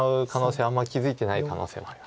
あんまり気付いてない可能性もあります。